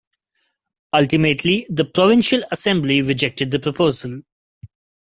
Ultimately the provincial assembly rejected the proposal.